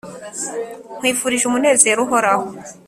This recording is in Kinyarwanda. nkwifurije umunezero uhoraho,